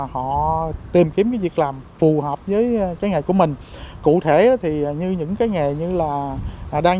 họ tìm kiếm cái việc làm phù hợp với cái nghề của mình cụ thể thì như những cái nghề như là đang